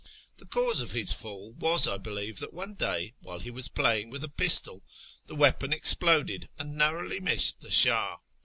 The cause of his fall was, I believe, that one day, while he was playing with a pistol, the weapon exploded and narrowly missed the Shah.